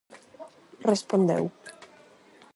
Respondeu: